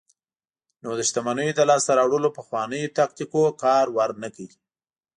نو د شتمنیو د لاسته راوړلو پخوانیو تاکتیکونو کار ورنکړ.